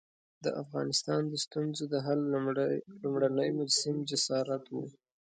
د افغانستان د ستونزو د حل لومړنی مجسم جسارت وو.